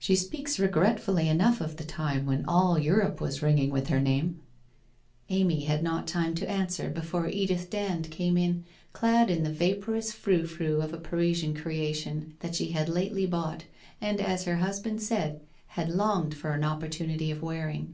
She speaks regretfully enough of the time when all Europe was ringing with her name ' Amy had not time to answer before Edith Dand came in, clad in the vaporous frou frou of a Parisian creation, that she had lately bought, and as her husband said, had longed for an opportunity of wearing.